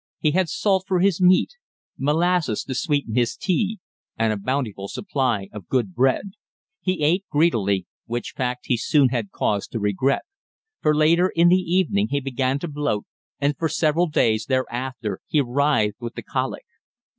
He had salt for his meat, molasses to sweeten his tea and a bountiful supply of good bread. He ate greedily, which fact he soon had cause to regret; for later in the evening he began to bloat, and for several days thereafter he writhed with the colic.